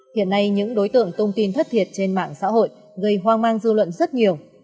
hiện nay những đối tượng tung tin thất thiệt trên mạng xã hội gây hoang mang dư luận rất nhiều